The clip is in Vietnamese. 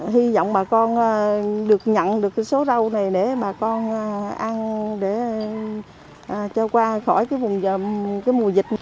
hy vọng bà con được nhận được số rau này để bà con ăn để cho qua khỏi